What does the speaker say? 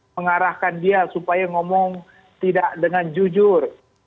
mengarahkan dia supaya ngomong tidak dengan jujur